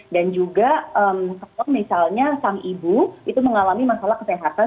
dan juga kalau misalnya sang ibu itu mengalami masalah kesehatan